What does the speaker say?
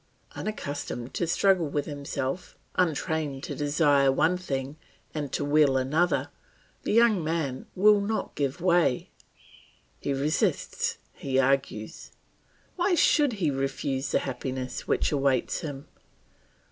Unaccustomed to struggle with himself, untrained to desire one thing and to will another, the young man will not give way; he resists, he argues. Why should he refuse the happiness which awaits him?